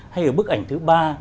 hay là bức ảnh thứ ba